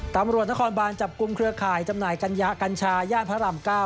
ตำรวจนครบานจับกลุ่มเครือข่ายจำหน่ายกัญญากัญชาย่านพระราม๙